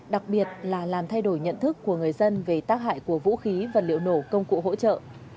đặc biệt là làm thay đổi nhận thức của người dân về tác hại của vũ khí vật liệu nổ công cụ hỗ trợ